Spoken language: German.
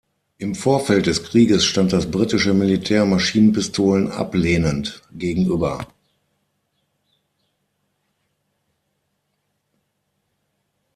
Im Vorfeld des Krieges stand das britische Militär Maschinenpistolen ablehnend gegenüber.